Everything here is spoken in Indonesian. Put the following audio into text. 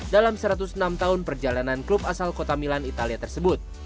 dalam satu ratus enam tahun perjalanan klub asal kota milan italia tersebut